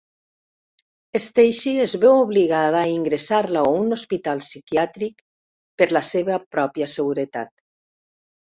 Stacey es veu obligada a ingressar-la a un hospital psiquiàtric per la seva pròpia seguretat.